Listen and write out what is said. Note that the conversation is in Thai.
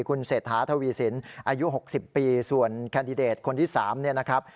คุณเศรษฐาทวีสินอายุ๖๐ปีส่วนแคนดิเดตคนที่๓เนี่ยนะครับ